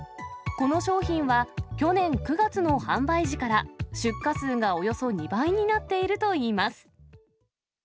この商品は、去年９月の販売時から出荷数がおよそ２倍になっているといいます。